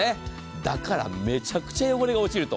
だからめちゃくちゃ汚れが落ちると。